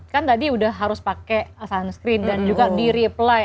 kan tadi udah harus pakai sunscreen dan juga di reply